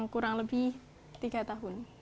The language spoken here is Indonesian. kurang lebih tiga tahun